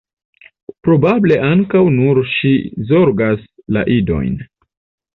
Probable ankaŭ nur ŝi zorgas la idojn.